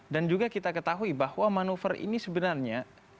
dan juga kita ketahui bahwa manuver ini sebenarnya